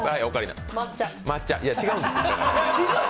いや、違うんです。